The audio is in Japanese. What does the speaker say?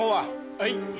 はい。